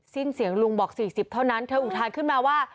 สิ้นเสียงลุงบอก๔๐เท่านั้นเธออุทานขึ้นมาว่า